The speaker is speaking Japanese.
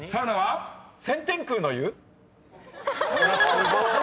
・すごい。